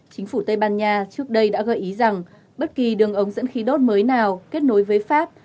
chính phủ tây ban nha trước đây đã gợi ý rằng bất kỳ đường ống dẫn khí đốt mới nào kết nối với pháp